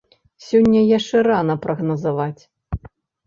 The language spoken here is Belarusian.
Сёння яшчэ рана прагназаваць.